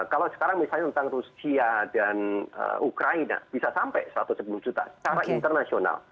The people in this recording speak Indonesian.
kalau sekarang misalnya tentang rusia dan ukraina bisa sampai satu ratus sepuluh juta secara internasional